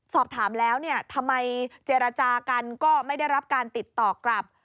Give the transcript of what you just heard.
สอบถามแล้วเนี่ยทำไมเจรจากันก็ไม่ได้รับการติดต่อกลับ